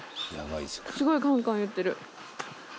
すごいカンカンいってる。